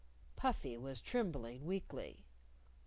_" Puffy was trembling weakly.